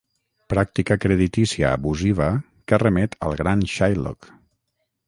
Pràctica creditícia abusiva que remet al gran Shylock.